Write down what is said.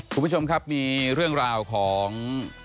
คุณผู้ชมครับมีเรื่องราวของ